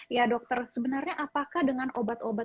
ya dokter sebenarnya apakah dengan obat obat